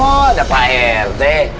oh ada pak rt